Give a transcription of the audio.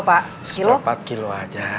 seperempat kilo saja